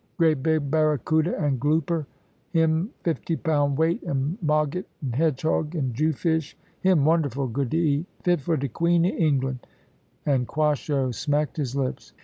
Great big baracouta and glouper him fifty pound weight; and mauget, and hedgehog, and jew fish; him wonderful good to eat, fit for de Queen of England," and Quasho smacked his lips.